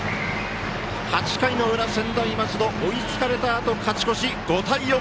８回の裏、専大松戸追いつかれたあと、勝ち越し５対４！